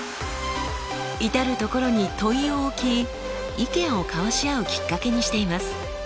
至る所に問いを置き意見を交わし合うきっかけにしています。